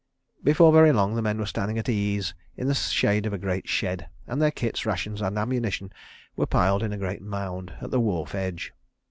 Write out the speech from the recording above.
Before very long, the men were standing at ease in the shade of a great shed, and their kits, rations and ammunition were piled in a great mound at the wharf edge.